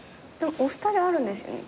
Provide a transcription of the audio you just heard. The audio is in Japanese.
お二人あるんですよね？